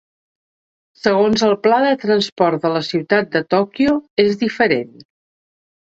Segons el pla de transports de la ciutat de Tòquio, és diferent.